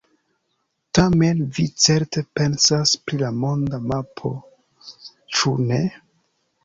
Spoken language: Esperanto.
Tamen vi certe pensas pri la monda mapo, ĉu ne?